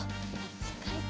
しっかりと。